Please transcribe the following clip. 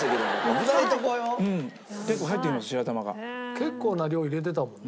結構な量入れてたもんな